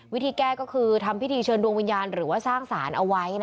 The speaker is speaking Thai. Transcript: วิธีแก้ก็คือทำพิธีเชิญดวงวิญญาณหรือว่าสร้างสารเอาไว้